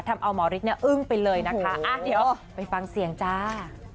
ทำเอาหมอฤทธิเนี่ยอึ้งไปเลยนะคะเดี๋ยวไปฟังเสียงจ้า